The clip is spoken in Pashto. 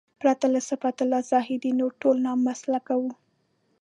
پرته له صفت الله زاهدي نور ټول نامسلکه وو.